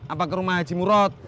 apa ke rumah haji murod